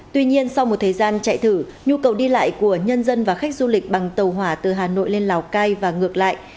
tuy nhiên sau một thời gian chạy thử nhu cầu đi lại của nhân dân và khách du lịch bằng tàu hỏa từ hà nội lên lào cai và ngược lại